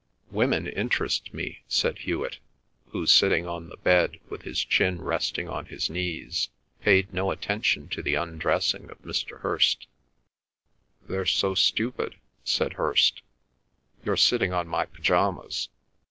"Women interest me," said Hewet, who, sitting on the bed with his chin resting on his knees, paid no attention to the undressing of Mr. Hirst. "They're so stupid," said Hirst. "You're sitting on my pyjamas."